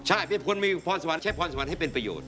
ใช่เป็นคนมีพรสวรรค์ใช้พรสวรรค์ให้เป็นประโยชน